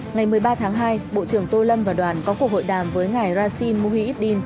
ngày một mươi ba tháng hai bộ trưởng tô lâm và đoàn có cuộc hội đàm với ngài brazil mohidin